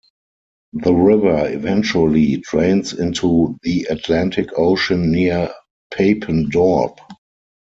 The river eventually drains into the Atlantic Ocean near Papendorp.